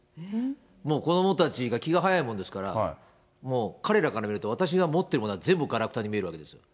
もう子どもたちが、気が早いもんですから、もう、彼らから見ると、私が持ってるものは全部、がらくたに見えるわけですよ。